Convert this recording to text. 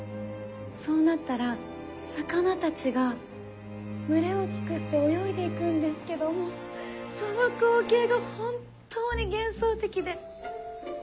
そうなったら魚たちが群れをつくって泳いで行くんですけどその光景が本当に幻想的で。